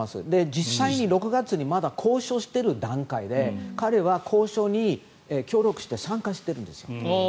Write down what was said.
実際に６月にまだ交渉している段階で彼は交渉に協力して裏で参加しているんです。